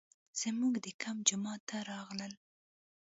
زموږ د کمپ جومات ته راغلل.